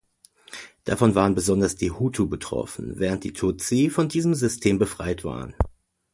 Davon waren besonders die Hutu betroffen, während die Tutsi von diesem System befreit waren.